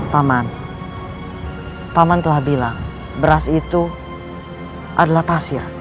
paman paman telah bilang beras itu adalah pasir